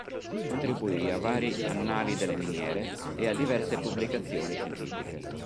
Contribuì a vari "Annali delle miniere" e a diverse pubblicazioni scientifiche.